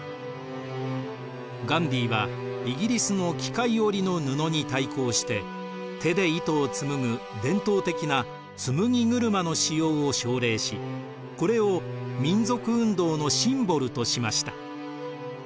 ガンディーはイギリスの機械織りの布に対抗して手で糸を紡ぐ伝統的な紡ぎ車の使用を奨励しこれを民族運動のシンボルとしました。